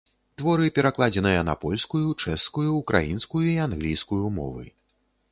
Творы перакладзеныя на польскую, чэшскую, украінскую і англійскую мовы.